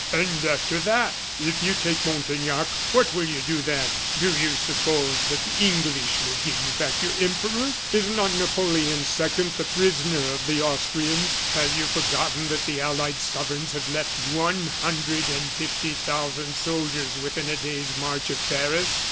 "And after that! If you take Montaignac, what will you do then? Do you suppose that the English will give you back your Emperor? Is not Napoleon II. the prisoner of the Austrians? Have you forgotten that the allied sovereigns have left one hundred and fifty thousand soldiers within a day's march of Paris?"